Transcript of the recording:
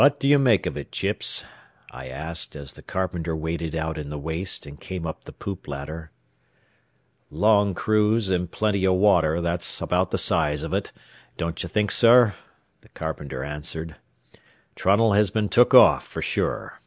"What do you make of it, Chips?" I asked, as the carpenter waded out in the waist and came up the poop ladder. "Long cruise an' plenty o' water, that's about th' size av ut, don't ye think, sir?" the carpenter answered. "Trunnell has been took off, fer sure.